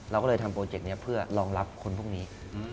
เราก็เลยทำโปรเจกต์นี้เพื่อรองรับคนพวกนี้